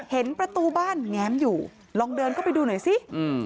เห็นประตูบ้านแง้มอยู่ลองเดินเข้าไปดูหน่อยสิ